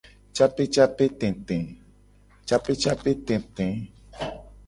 Capecapetete.